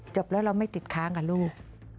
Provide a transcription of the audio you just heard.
จบแล้วเราไม่ติดค้างกับลูก